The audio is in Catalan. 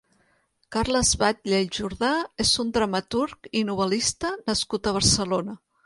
Carles Batlle i Jordà és un dramaturg i novelista nascut a Barcelona.